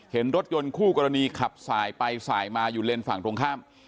เห็นรถยนต์คู่กรณีขับสายไปสายมาอยู่เลนส์ฝั่งตรงข้าม